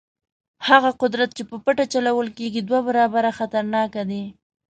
هغه قدرت چې په پټه چلول کېږي دوه برابره خطرناک دی.